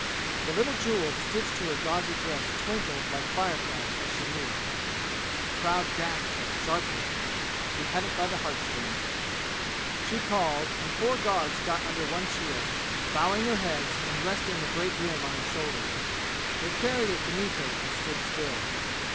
The little jewels stitched to her gauzy dress twinkled like fire flies as she moved. The crowd gasped sharply. She had it by the heart strings. She called, and four guards got under one shield, bowing their heads and resting the great rim on their shoulders. They carried it beneath her and stood still.